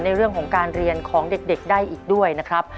ในเรื่องของการเรียนของเด็กได้อีกด้วยนะครับ